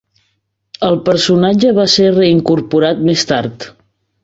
El personatge va ser reincorporar més tard.